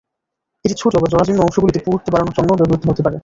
এটি ছোট বা জরাজীর্ণ অংশগুলিতে পুরুত্ব বাড়ানোর জন্যও ব্যবহৃত হতে পারে।